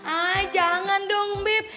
ah jangan dong bebe